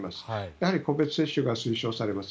やはり個別接種が推奨されます。